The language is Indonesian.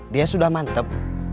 dia sudah mantep